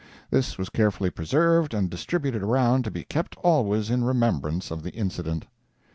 This was carefully preserved and distributed around to be kept always in remembrance of the incident.